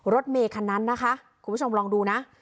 รถเมคันนั้นนะคะคุณผู้ชมลองดูนะ